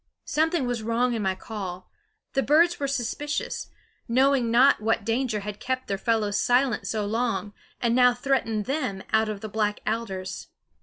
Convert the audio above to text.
Something was wrong in my call; the birds were suspicious, knowing not what danger had kept their fellows silent so long, and now threatened them out of the black alders.